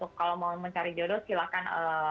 kalau mau mencari jodoh silahkan